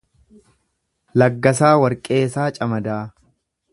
Laggasaa Warqeesaa Camadaa